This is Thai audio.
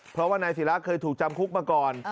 เพราะว่านายศิราเคยถูกจำคุกมาก่อน